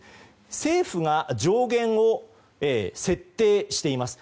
政府が上限を設定しています。